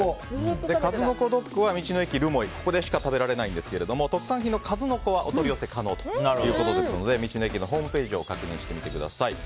数の子ドッグは道の駅るもいでしか食べられないんですが特産品の数の子はお取り寄せ可能ということですので道の駅のホームページを確認してみてください。